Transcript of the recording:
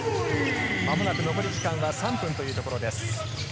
間もなく残り時間は３分というところです。